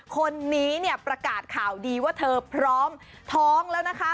คนนี้เนี่ยประกาศข่าวดีว่าเธอพร้อมท้องแล้วนะคะ